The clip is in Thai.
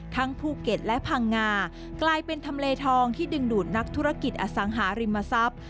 ภูเก็ตและพังงากลายเป็นทำเลทองที่ดึงดูดนักธุรกิจอสังหาริมทรัพย์